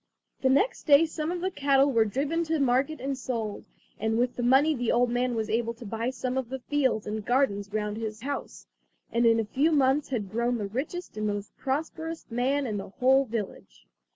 The next day some of the cattle were driven to market and sold, and with the money the old man was able to buy some of the fields and gardens round his house, and in a few months had grown the richest and most prosperous man in the whole village.